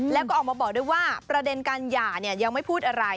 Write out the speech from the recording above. แล้วก็ออกมาบอกด้วยว่าประเด็นการหย่ายังไม่พูดอะไร